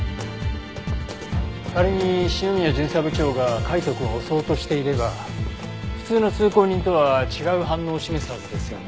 仮に篠宮巡査部長が海斗くんを襲おうとしていれば普通の通行人とは違う反応を示すはずですよね。